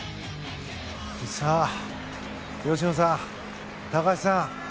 さあ、吉野さん高橋さん